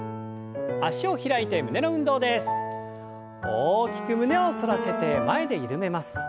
大きく胸を反らせて前で緩めます。